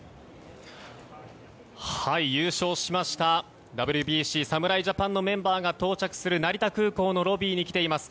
優勝しましたＷＢＣ侍ジャパンのメンバーが到着する、成田空港のロビーに来ています。